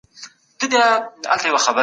تاسې د کومې ډلې سره اوسېدل غواړئ؟